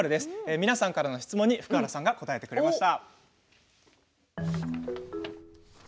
皆さんの質問に福原さんが答えてくれました。